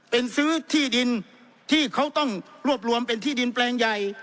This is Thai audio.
เป็นซื้อที่ดินที่เขาต้องรวบรวมเป็นที่ดินแปลงใหญ่